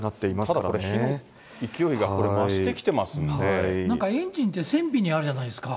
ただ、火の勢いがこれ、なんかエンジンって船尾にあるじゃないですか。